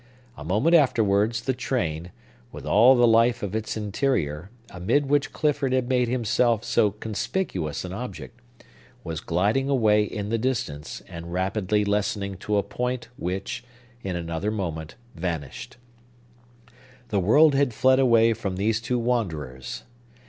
A moment afterwards, the train—with all the life of its interior, amid which Clifford had made himself so conspicuous an object—was gliding away in the distance, and rapidly lessening to a point which, in another moment, vanished. The world had fled away from these two wanderers.